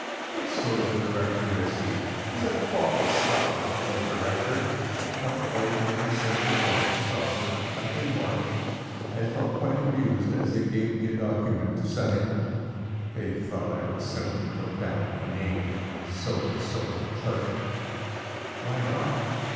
What sort of a director is he? He is a bottle stopper, and no director. A quite ordinary, simple bottle stopper nothing more. I felt quite amused as they gave me a document to sign. They thought I would simply put down my name "So and so, Clerk." Why not?